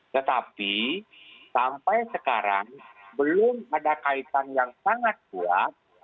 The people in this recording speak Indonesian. tetapi sampai sekarang belum ada kaitan yang sangat kuat